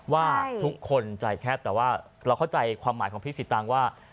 ว่าทุกคนใจแคบแต่ว่าเราเข้าใจความหมายของพี่สิตางว่า